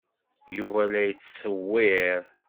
Yuba la yettṣewwir.